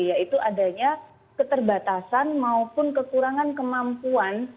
yaitu adanya keterbatasan maupun kekurangan kemampuan